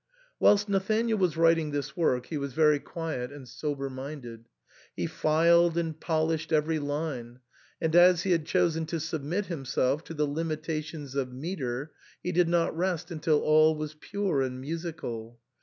Whilst Nathanael was writing this work he was very quiet and sober minded ; he filed and polished every line, and as he had chosen to submit himself to the lim itations of metre, he did not rest until all was pure and musical.